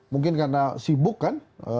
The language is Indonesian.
mungkin karena sibuk kan